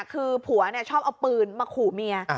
คือผัวชอบเอาปืนมาขู่เมีย